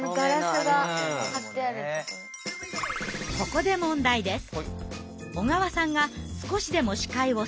ここで問題です。